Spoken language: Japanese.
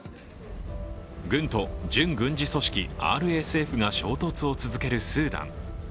軍と準軍事組織ＲＳＦが衝突を続けるスーダン。